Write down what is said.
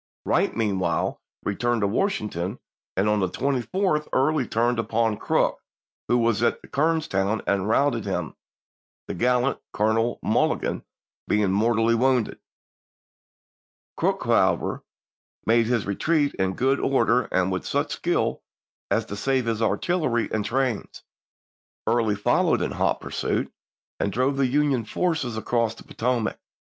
Wright meanwhile returned to Washington ; and on the 24th Early turned upon Crook, who was at Kernstown, and routed him, the gallant Colonel Mulligan being mortally wounded. Crook, however, made his retreat in good order and with such skill as to save his artillery and trains. Early followed in hot pursuit, and drove the Union forces across the Potomac.